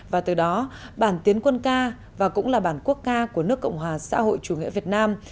và từ đó bản tiến quân ca và cũng là bản quốc ca của nước cộng hòa xã hội chủ nghĩa việt nam